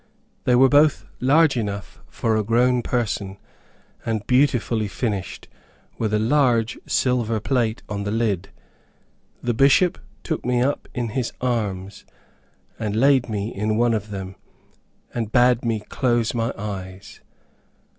They were both large enough for a grown person, and beautifully finished, with a large silver plate on the lid. The Bishop took me up in his arms, and laid me in one of them, and bade me close my eyes.